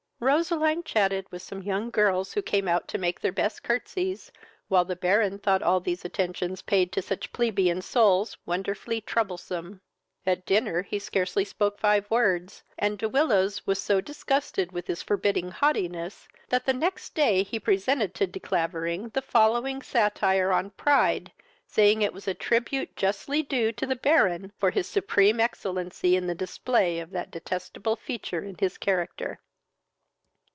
Roseline chatted with some young girls who came out to make their best curtesies, while the Baron thought all these attentions paid to such plebeian souls wonderfully troublesome. At dinner he scarcely spoke five words, and De Willows was do disgusted with his forbidding haughtiness, that the next day he presented to De Clavering the following satire on pride, saying it was a tribute justly due to the Baron for his supreme excellency in the display of that detestable feature in his character.